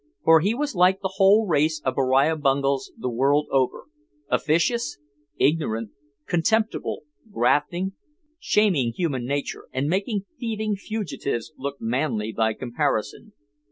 For he was like the whole race of Beriah Bungels the world over, officious, ignorant, contemptible, grafting, shaming human nature and making thieving fugitives look manly by comparison.